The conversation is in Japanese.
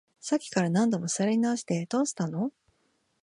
さっきから何度も座り直して、どうしたの？